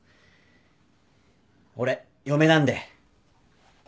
俺嫁なんで。